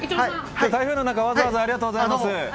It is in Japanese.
台風の中わざわざありがとうございます。